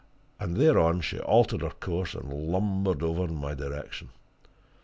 And thereon she altered her course and lumbered over in my direction.